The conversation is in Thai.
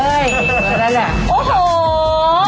เหมือนแหละ